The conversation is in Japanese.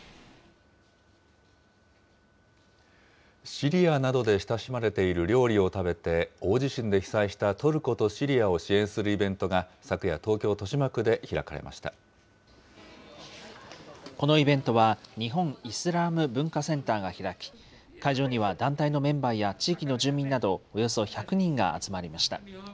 シリアなどで親しまれている料理を食べて、大地震で被災したトルコとシリアを支援するイベントが、昨夜、このイベントは、日本イスラーム文化センターが開き、会場には団体のメンバーや地域の住民など、およそ１００人が集まりました。